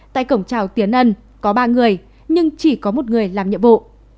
tại cổng trào tiến ân có ba người nhưng chỉ có một người làm nhiệm vụ